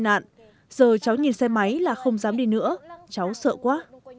cháu đã bị tai nạn giờ cháu nhìn xe máy là không dám đi nữa cháu sợ quá